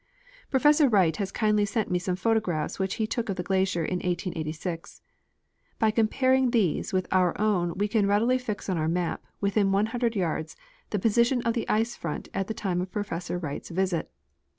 Professor AVright has kindly sent me some photographs which he took of the glacier in 1886. By comparing these with our own we can readily fix on our map, within 100 j^ards, the position of the ice front at the time of Professor Wright's visit.